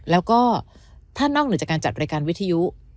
แล้วก็ถ้านอกเหนือจากการจัดรายการวิทยุ